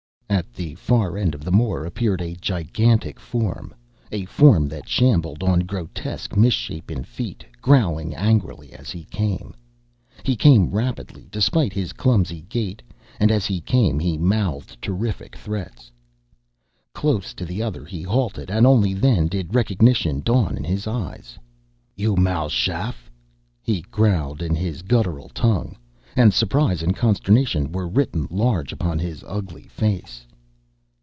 At the far end of the moor appeared a gigantic form, a form that shambled on grotesque, misshapen feet, growling angrily as he came. He came rapidly despite his clumsy gait, and as he came he mouthed terrific threats. Close to the other he halted and only then did recognition dawn in his eyes. "You, Mal Shaff?" he growled in his guttural tongue, and surprise and consternation were written large upon his ugly face.